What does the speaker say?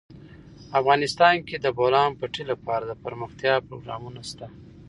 افغانستان کې د د بولان پټي لپاره دپرمختیا پروګرامونه شته.